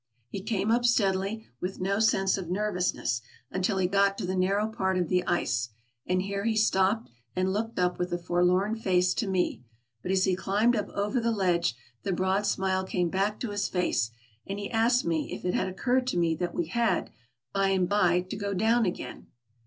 He came up steadily, with no sense of nervousness, until he got to the narrow part of the ice, and here he stopped and looked up with a forlorn face to me; but as he climbed up AMERICA 121 over the ledge the broad smile came back to his face and he asked me if it had occurred to me that we had, by and by, to go down again.